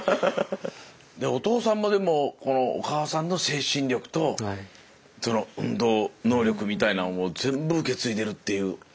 お父さんまでもこのお母さんの精神力とその運動能力みたいなものを全部受け継いでるっていう。